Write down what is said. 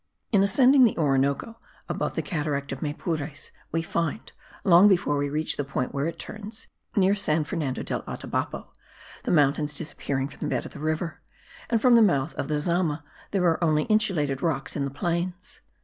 In ascending the Orinoco, above the cataract of Maypures, we find, long before we reach the point where it turns, near San Fernando del Atabapo, the mountains disappearing from the bed of the river, and from the mouth of the Zama there are only insulated rocks in the plains.